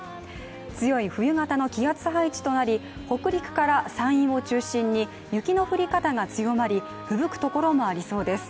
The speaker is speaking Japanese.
強い冬型の気圧配置となり北陸から山陰を中心に雪の降り方が強まり、ふぶくところもありそうです。